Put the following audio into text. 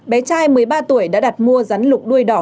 bé trai một mươi ba tuổi đã đặt mua rắn lục đuôi đỏ